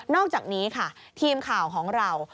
อกจากนี้ค่ะทีมข่าวของเรา